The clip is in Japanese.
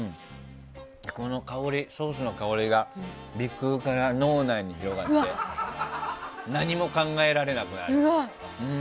このソースの香りが鼻腔から脳内に広がって何も考えられなくなる。